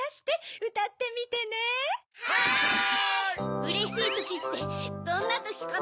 うれしいときってどんなときかな？